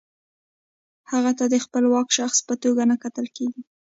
هغې ته د خپلواک شخص په توګه نه کتل کیږي.